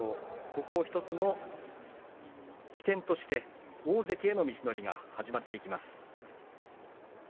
ここを１つの起点として大関への道のりが始まっていきます。